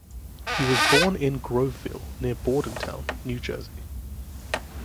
He was born in Groveville, near Bordentown, New Jersey.